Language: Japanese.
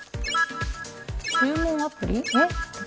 注文アプリ。